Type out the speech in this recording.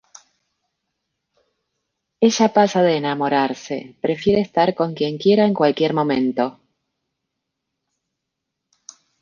Ella pasa de enamorarse, prefiere estar con quien quiera en cualquier momento.